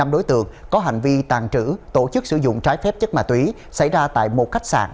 năm đối tượng có hành vi tàn trữ tổ chức sử dụng trái phép chất ma túy xảy ra tại một khách sạn